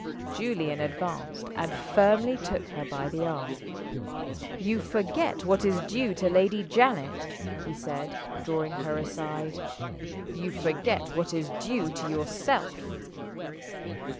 Julian advanced, and firmly took her by the arm. "You forget what is due to Lady Janet," he said, drawing her aside. "You forget what is due to yourself."